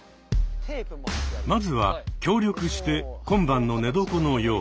まずは協力して今晩の寝床の用意。